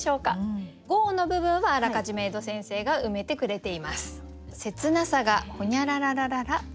５音の部分はあらかじめ江戸先生が埋めてくれています。